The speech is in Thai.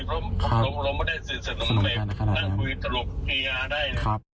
เพราะเราไม่ได้สนุมแบบนั่งคุยตลกพี่ยาได้